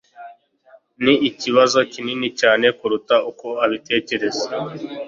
Ni ikibazo kinini cyane kuruta uko ubitekereza.